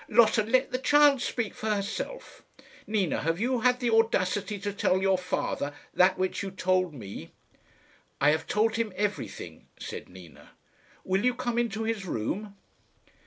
"Lotta, let the child speak for herself. Nina, have you had the audacity to tell your father that which you told me?" "I have told him everything," said Nina; "will you come into his room?"